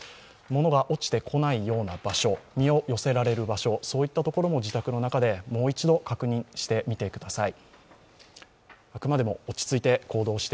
物が落ちてこないような場所、身を寄せられるような場所、そういったところも自宅の中で、もう一度、確認してみてください。